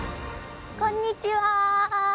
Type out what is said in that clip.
こんにちは。